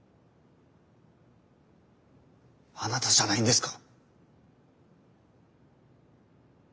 あなたじゃないんですか？